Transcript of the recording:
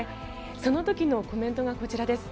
その時のコメントがこちらです。